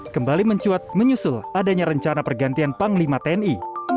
kembali mencuat menyusul adanya rencana pergantian panglima tni